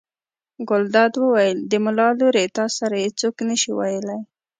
ګلداد وویل: د ملا لورې تا سره یې څوک نه شي ویلی.